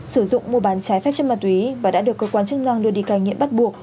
sử dụng mô bán trái phép trên ma túy và đã được cơ quan chức năng đưa đi cài nghiện bắt buộc